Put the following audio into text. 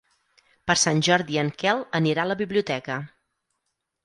Per Sant Jordi en Quel anirà a la biblioteca.